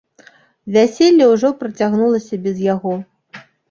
Вяселле ўжо працягнулася без яго.